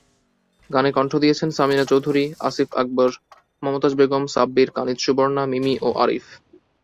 গানে কণ্ঠ দিয়েছেন সামিনা চৌধুরী, আসিফ আকবর, মমতাজ বেগম, সাব্বির, কানিজ সুবর্ণা, মিমি ও আরিফ।